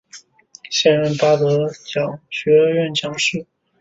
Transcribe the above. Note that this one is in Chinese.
现任巴德学院讲师。